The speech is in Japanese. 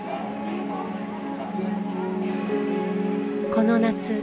この夏。